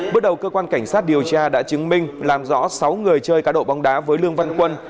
bước đầu cơ quan cảnh sát điều tra đã chứng minh làm rõ sáu người chơi cá độ bóng đá với lương văn quân